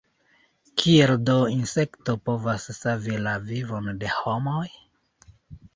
Kiel do insekto povas savi la vivon de homoj?